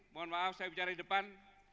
mohon maaf saya bicara di depan